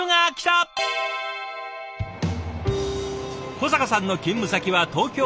小坂さんの勤務先は東京・府中市。